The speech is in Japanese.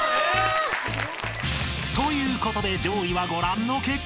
［ということで上位はご覧の結果に］